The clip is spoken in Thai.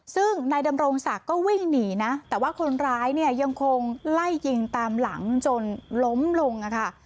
ซึ่งนายดำรงศักดิ์ก็วิ่งหนีนะแต่ว่าคนร้ายเนี่ยยังคงไล่ยิงตามหลังจนล้มลงค่ะ